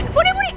eh budi budi